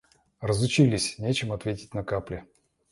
Разучились — нечем ответить на капли.